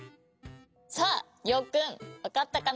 さありょうくんわかったかな？